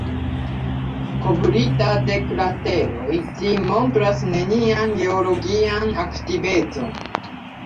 Kovrita de krateroj, ĝi montras nenian geologian aktivecon.